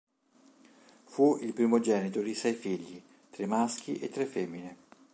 Fu il primogenito di sei figli, tre maschi e tre femmine.